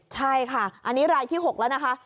ใช่ค่ะอันนี้รายที่๖แล้วนะคะ